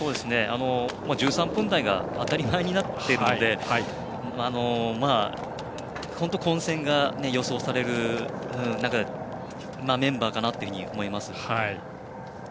１３分台が当たり前になっているので本当に混戦が予想されるメンバーかなと思います。